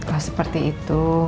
oh seperti itu